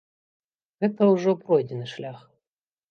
Гэта ўжо пройдзены шлях.